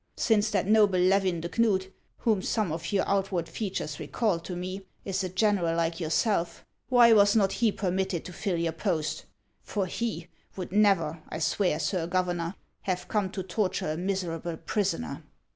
Since that noble Levin de Knud, whom some of yuur outward features recall to me, is a general like your self, why was not he permitted to fill your post ; for he would never, I swear, Sir Governor, have come to torture a miserable prisoner."